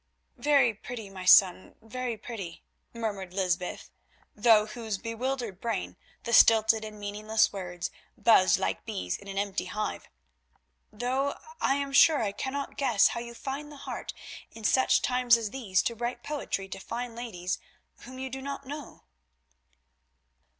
"Very pretty, my son, very pretty," murmured Lysbeth, through whose bewildered brain the stilted and meaningless words buzzed like bees in an empty hive, "though I am sure I cannot guess how you find the heart in such times as these to write poetry to fine ladies whom you do not know."